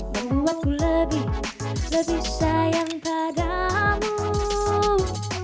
membuatku lebih lebih sayang padamu